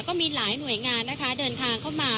ก็มีหลายหน่วยงานนะคะเดินทางเข้ามา